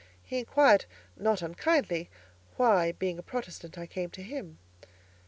He inquired, not unkindly, why, being a Protestant, I came to him?